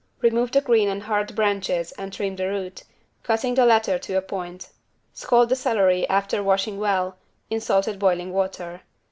Remove the green and hard branches and trim the root, cutting the latter to a point. Scald the celery, after washing well, in salted boiling water.